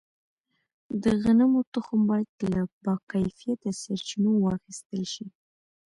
د غنمو تخم باید له باکیفیته سرچینو واخیستل شي.